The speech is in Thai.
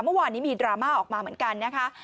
เมื่อวานนี้มีดราม่าออกมาเหมือนกันนะคะ